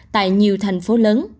tại nhiều thành phố